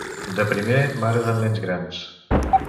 De primer, mares amb nens grans.